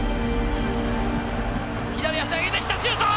左足上げてきたシュート！